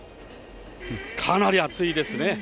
かなり暑いですね。